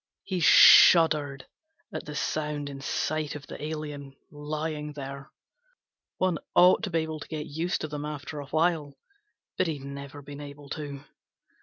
He shuddered at the sound and sight of the alien lying there. One ought to be able to get used to them after a while, but he'd never been able to.